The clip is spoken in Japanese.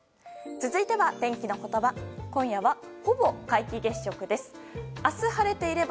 続いては、天気のことば。